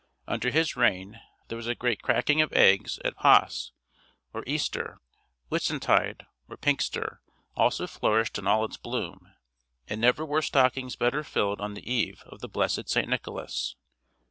Under his reign there was a great cracking of eggs at Paas or Easter; Whitsuntide or Pinxter also flourished in all its bloom; and never were stockings better filled on the eve of the blessed St. Nicholas.